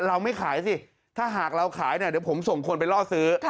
เราไม่ขายสิถ้าเราขายเดี๋ยวผมส่งคนไปล่อสื้อ